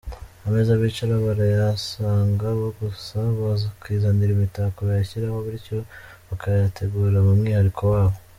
Ameza bicaraho barayasanga, gusa bakizanira imitako bayashyiraho, bityo bakayategura mu mwihariko wabo.